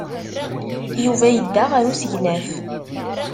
Yuba yedda ɣer usegnaf.